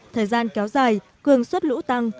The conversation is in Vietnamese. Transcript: thời gian kéo dài cường suất lũ tăng